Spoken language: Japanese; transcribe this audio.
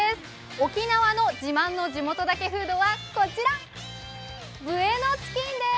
沖縄の自慢の地元だけフードはこちらです。